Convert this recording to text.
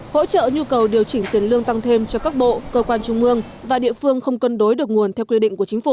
hỗ trợ nhu cầu điều chỉnh tiền lương tăng thêm cho các bộ cơ quan trung mương và địa phương không cân đối được nguồn theo quy định của chính phủ